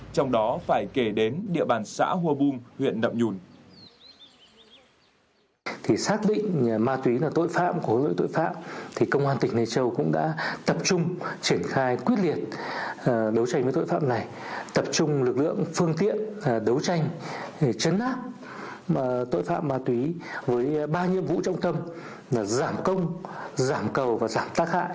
trong đó phải kể đến địa bàn xã hua bung huyện đậm nhùn